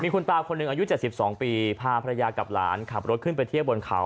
คุณตาคนหนึ่งอายุ๗๒ปีพาภรรยากับหลานขับรถขึ้นไปเที่ยวบนเขา